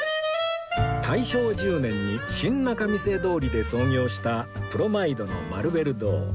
大正１０年に新仲見世通りで創業したプロマイドのマルベル堂